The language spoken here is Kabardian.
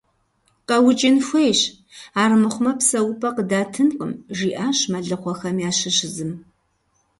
КъэукӀын хуейщ, армыхъумэ псэупӀэ къыдатынкъым, - жиӀащ мэлыхъуэхэм ящыщ зым.